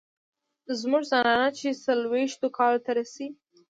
زمونږ زنانه چې څلوېښتو کالو ته رسي